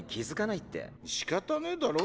しかたねぇだろ。